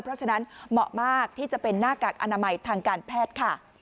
เพราะฉะนั้นเหมาะมากที่จะเป็นหน้ากากอนามัยทางการแพทย์ค่ะ